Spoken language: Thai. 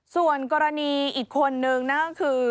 ส่วนกรณีอีกคนนึงคือ